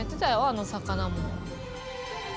あの魚も。